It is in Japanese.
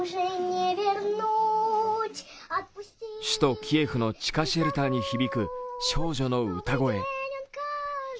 首都・キエフの地下シェルターに響く少女の歌声。